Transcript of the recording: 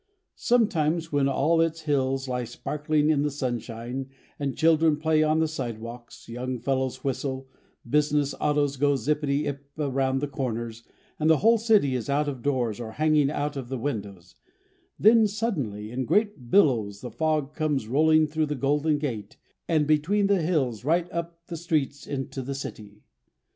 Sometimes when all its hills lie sparkling in the sunshine and children play on the sidewalks, young fellows whistle, business autos go zippity ip around the corners, and the whole city is out of doors or hanging out of the windows, then suddenly in great billows the fog comes rolling in through the Golden Gate, and between the hills right up the streets into the city.